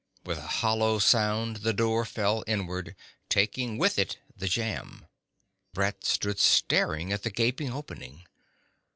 With a hollow sound the door fell inward, taking with it the jamb. Brett stood staring at the gaping opening.